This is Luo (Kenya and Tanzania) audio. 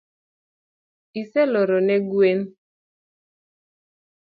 Iseloro ne gwen?